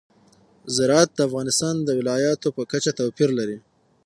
زراعت د افغانستان د ولایاتو په کچه توپیر لري.